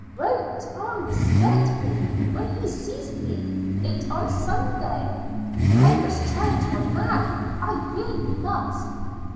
"Won't Tom respect me when he sees me in it on Sunday? I must try it on now; I really must."